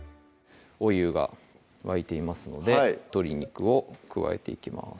お湯が沸いていますので鶏肉を加えていきます